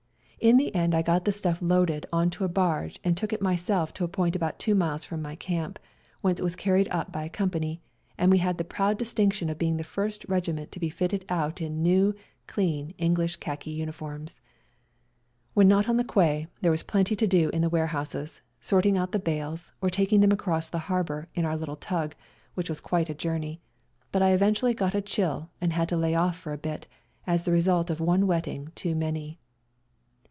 In the end I got the stuff loaded on to a barge and took it myself to a point about 2 miles from my camp, whence it was carried up by a company, and we had the proud distinc tion of being the first regiment to be fitted out in new, clean English khaki uniforms. When not on the quay there was plenty to do in the warehouses, sorting out the bales, or taking them across the harbour in our little tug, which was quite a journey, but I eventually got a chill and had to lay off for a bit, as the result of one wetting too many.